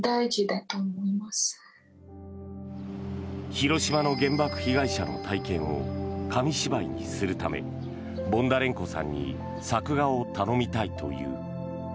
広島の原爆被害者の体験を紙芝居にするためボンダレンコさんに作画を頼みたいという。